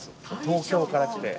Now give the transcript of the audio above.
東京から来て。